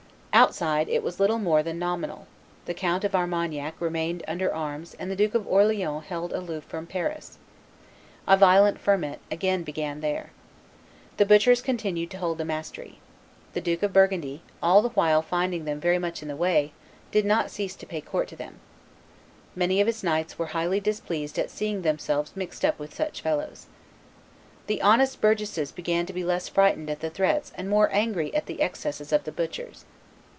Outside, it was little more than nominal; the Count of Armagnac remained under arms and the Duke of Orleans held aloof from Paris. A violent ferment again began there. The butchers continued to hold the mastery. The Duke of Burgundy, all the while finding them very much in the way, did not cease to pay court to them, Many of his knights were highly displeased at seeing themselves mixed up with such fellows. The honest burgesses began to be less frightened at the threats and more angry at the excesses of the butchers.